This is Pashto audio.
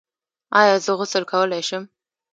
ایا زه غسل کولی شم؟